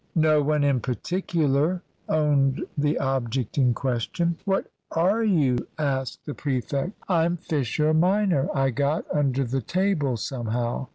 No one in particular owned the object in question. "What are you?" asked the prefect. "I'm Fisher minor; I got under the table, somehow."